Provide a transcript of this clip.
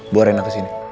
bawa reina kesini